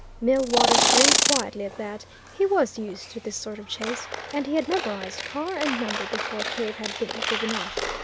Millwaters grinned quietly at that; he was used to this sort of chase, and he had memorized car and number before Cave had been driven off.